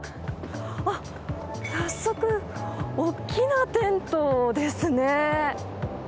早速、大きなテントですね。